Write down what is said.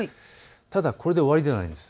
ただ、これで終わりではないです。